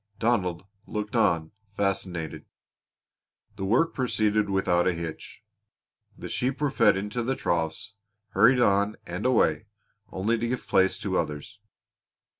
Donald looked on, fascinated. The work proceeded without a hitch. The sheep were fed into the troughs, hurried on and away, only to give place to others.